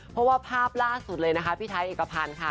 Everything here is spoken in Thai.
เพราะว่าภาพล่าสุดเลยนะคะพี่ไทยเอกพันธ์ค่ะ